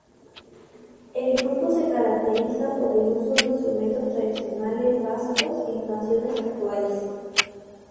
El grupo se caracteriza por el uso de instrumentos tradicionales vascos en canciones actuales.